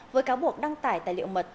với cáo buộc đăng tải tài liệu mật